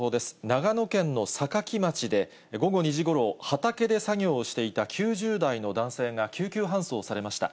長野県の坂城町で、午後２時ごろ、畑で作業をしていた９０代の男性が救急搬送されました。